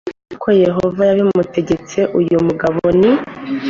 ibipande ni uko yehova yabimutegetse uyu mugabo ni